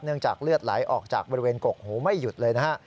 จากเลือดไหลออกจากบริเวณกกหูไม่หยุดเลยนะฮะ